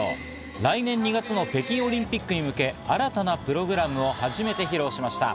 来年２月の北京オリンピックに向け新たなプログラムを初めて披露しました。